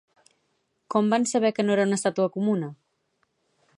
Com van saber que no era una estàtua comuna?